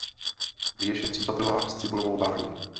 Věž je třípatrová s cibulovou bání.